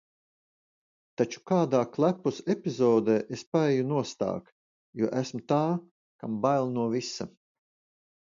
Taču kādā klepus epizodē, es paeju nostāk, jo esmu tā, kam bail no visa.